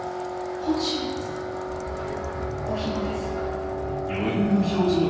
今週末お暇ですか？